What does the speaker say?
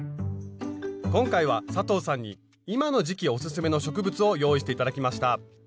今回は佐藤さんに今の時期オススメの植物を用意して頂きました。